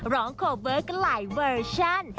ร้องโคเวิร์ตก็หลายเวอร์ชั่น